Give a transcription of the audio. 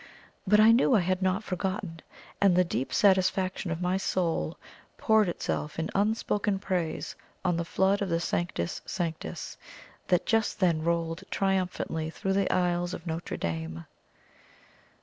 But I knew I was not forgotten, and the deep satisfaction of my soul poured itself in unspoken praise on the flood of the "Sanctus! Sanctus!" that just then rolled triumphantly through the aisles of Notre Dame.